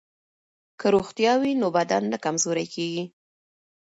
که روغتیا وي نو بدن نه کمزوری کیږي.